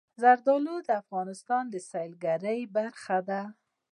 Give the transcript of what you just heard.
زردالو د افغانستان د سیلګرۍ برخه ده.